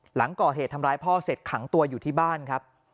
หลังก่อเหตุทำร้ายพ่อเสร็จขังตัวอยู่ที่บ้านครับ